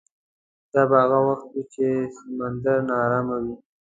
دا به هغه وخت وي چې سمندر ناارامه وي.